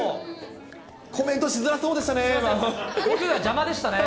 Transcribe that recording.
コメントしづらそうでしたね。